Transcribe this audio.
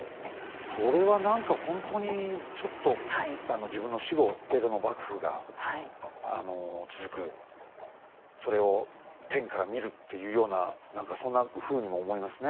それは何かほんとにちょっと自分の死後江戸の幕府が続くそれを天から見るっていうような何かそんなふうにも思いますね。